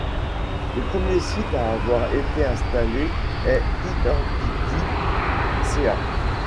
Le premier site à avoir été installé est Identi.ca.